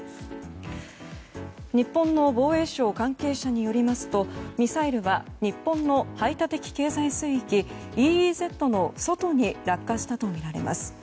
日本の防衛省関係者によりますとミサイルは日本の排他的経済水域・ＥＥＺの外に落下したとみられます。